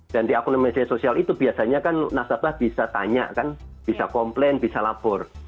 dan di akun media sosial itu biasanya kan nasabah bisa tanya kan bisa komplain bisa lapor